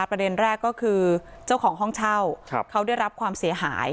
ประเด็นแรกก็คือเจ้าของห้องเช่าเขาได้รับความเสียหาย